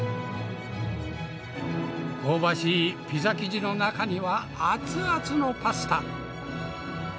香ばしいピザ生地の中には熱々のパスタ。